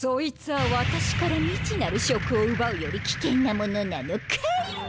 私から未知なる食を奪うより危険なものなのかい？